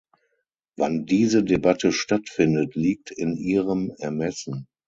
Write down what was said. Wann diese Debatte stattfindet, liegt in Ihrem Ermessen.